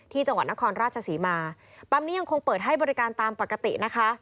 จังหวัดนครราชศรีมาปั๊มนี้ยังคงเปิดให้บริการตามปกตินะคะ